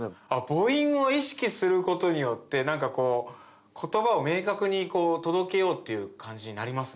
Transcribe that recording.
母音を意識することによって言葉を明確に届けようっていう感じになりますね。